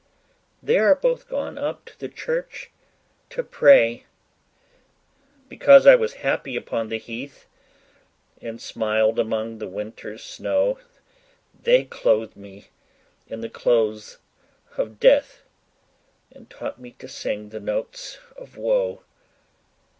'— 'They are both gone up to the church to pray. 'Because I was happy upon the heath, And smiled among the winter's snow, They clothed me in the clothes of death, And taught me to sing the notes of woe.